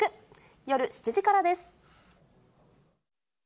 夜７時からです。